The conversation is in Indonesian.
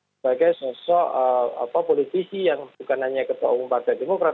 sebagai sosok politisi yang bukan hanya ketua umum partai demokrat